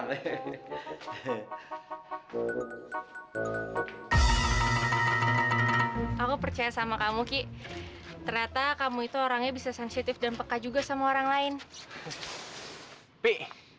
makanya sementara aku di musyola aku sendiri